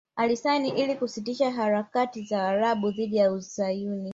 Alisaini ili kusitisha harakati za Waarabu dhidi ya Uzayuni